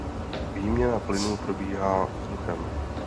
Výměna plynů probíhá vzduchem.